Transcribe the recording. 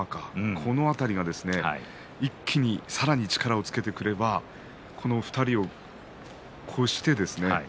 この辺りが一気に、さらに力をつけてくればこの２人を越してですね